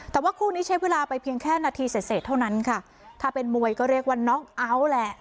แต่ว่าคู่นี้ใช้เวลาไปเพียงแค่นาทีเสร็จเสร็จเท่านั้นค่ะถ้าเป็นมวยก็เรียกว่าน้องเอาท์แหละ